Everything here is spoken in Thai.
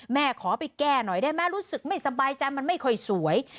ขอไปแก้หน่อยได้ไหมรู้สึกไม่สบายใจมันไม่ค่อยสวย